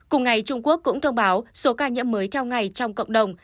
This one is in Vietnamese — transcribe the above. cùng ngày trung quốc cũng thông báo số ca nhiễm mới theo ngày trong cộng đồng